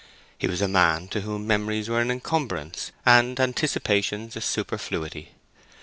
He was a man to whom memories were an incumbrance, and anticipations a superfluity.